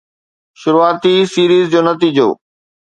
شروعاتي سيريز جو نتيجو